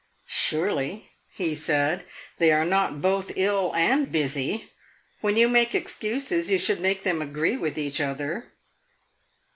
"Surely," he said, "they are not both ill and busy! When you make excuses, you should make them agree with each other."